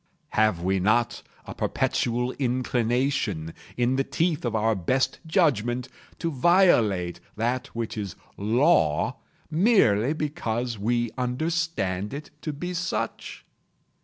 Have we not a perpetual inclination, in the teeth of our best judgment, to violate that which is Law, merely because we understand it to be such?